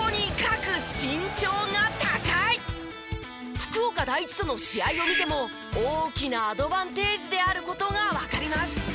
福岡第一との試合を見ても大きなアドバンテージである事がわかります。